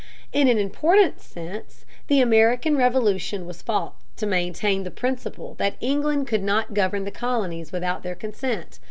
In an important sense, the American Revolution was fought to maintain the principle that England could not govern the colonies without their consent.